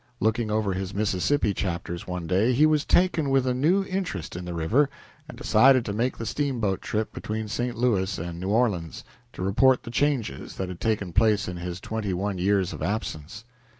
Looking over his Mississippi chapters one day, he was taken with a new interest in the river, and decided to make the steamboat trip between St. Louis and New Orleans, to report the changes that had taken place in his twenty one years of absence.